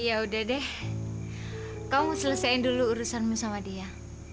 ya udah deh kau selesaikan dulu urusanmu sama dia